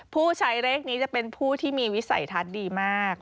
ผู้ใช้เลขนี้จะเป็นผู้ที่มีวิสัยทัศน์ดีมาก